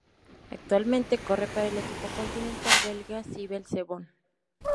Actualmente corre para el equipo continental belga Cibel-Cebon.